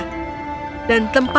mereka menemukan seluruh kota